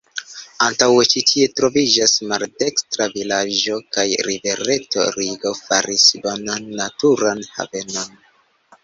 Antaŭe ĉi tie troviĝis maldekstra vilaĝo, kaj rivereto Rigo faris bonan naturan havenon.